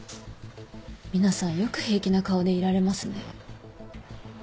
皆さんよく平気な顔でいられますね。